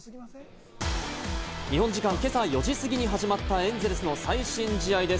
日本時間けさ４時過ぎに始まったエンゼルスの最新試合です。